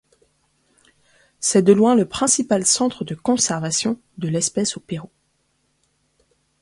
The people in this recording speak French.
C'est de loin le principal centre de conservation de l'espèce au Pérou.